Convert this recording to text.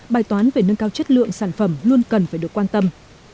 bài toán về nâng cao chất lượng sản phẩm luôn cần phải được quan tâm